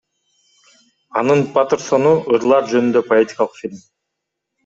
Анын Патерсону — ырлар жөнүндө поэтикалык фильм.